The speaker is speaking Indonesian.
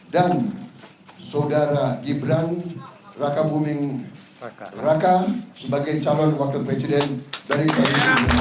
dan saudara gibran raka buming raka sebagai calon wakil presiden dari kota bumi